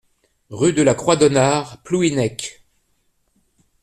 Rue de la Croix-Donnart, Plouhinec